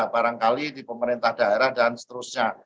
barangkali di pemerintah daerah dan seterusnya